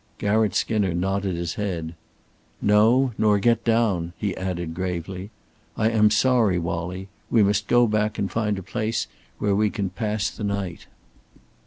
Garratt Skinner nodded his head. "No, nor get down," he added, gravely. "I am sorry, Wallie. We must go back and find a place where we can pass the night."